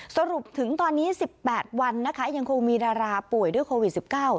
สรุปถึงตอนนี้๑๘วันนะคะยังคงมีดาราป่วยด้วยโควิด๑๙